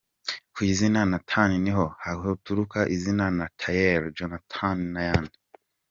Ku izina Nathan niho haturuka izina Nathaniel, Jonathan n’ayandi.